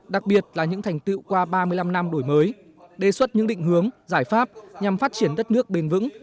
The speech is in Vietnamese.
đặc biệt là những thành tựu qua ba mươi năm năm đổi mới đề xuất những định hướng giải pháp nhằm phát triển đất nước bền vững